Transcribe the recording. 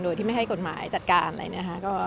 โดยที่ไม่ให้กฎหมายจัดการอะไรนะคะ